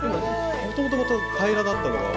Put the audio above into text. もともと平らだったのが。